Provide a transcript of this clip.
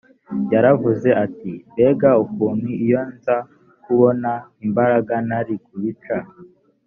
yaravuze ati mbega ukuntu iyo nza kubona imbaraga nari kubica